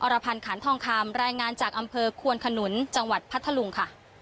รพันธ์ขันทองคำรายงานจากอำเภอควนขนุนจังหวัดพัทธลุงค่ะ